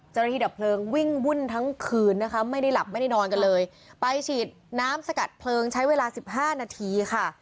ดับเพลิงวิ่งวุ่นทั้งคืนนะคะไม่ได้หลับไม่ได้นอนกันเลยไปฉีดน้ำสกัดเพลิงใช้เวลาสิบห้านาทีค่ะ